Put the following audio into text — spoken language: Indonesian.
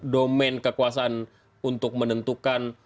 domain kekuasaan untuk menentukan